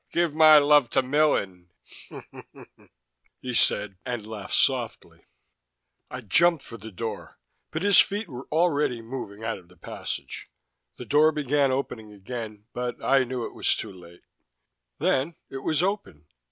"Give my love to Millen," he said, and laughed softly. I jumped for the door, but his feet were already moving out of the passage. The door began opening again, but I knew it was too late. Then, it was open.